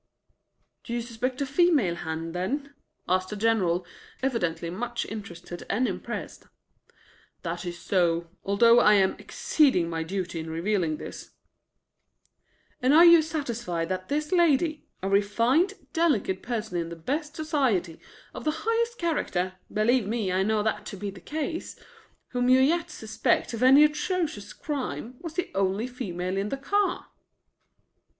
"Do you suspect a female hand, then?" asked the General, evidently much interested and impressed. "That is so, although I am exceeding my duty in revealing this." "And you are satisfied that this lady, a refined, delicate person in the best society, of the highest character, believe me, I know that to be the case, whom you yet suspect of an atrocious crime, was the only female in the car?"